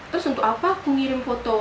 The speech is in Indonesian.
terus untuk apa aku ngirim foto